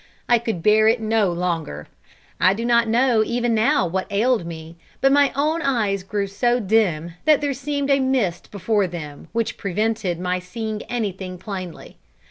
I could bear it no longer. I do not know even now what ailed me; but my own eyes grew so dim, that there seemed a mist before them which prevented my seeing anything plainly.